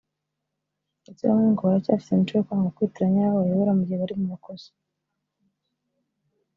ndetse bamwe ngo baracyafite imico yo kwanga kwiteranya n’abo bayobora mu gihe bari mu makosa